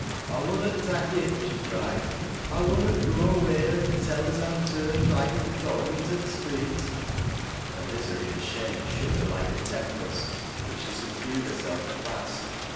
" I wunnot tak' it !" she cried. " I wunnot go no wheer an' tell as I'm turned loike a dog into th' street." Her misery and shame shook her like a tempest. But she subdued herself at last.